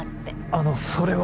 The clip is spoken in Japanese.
あのそれは。